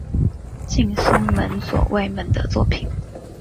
近松门左卫门的作品。